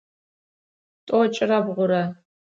Тӏокӏырэ бгъурэ.